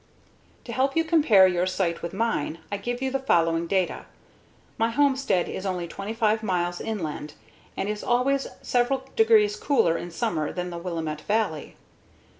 To help you compare your site with mine, I give you the following data. My homestead is only 25 miles inland and is always several degrees cooler in summer than the Willamette Valley.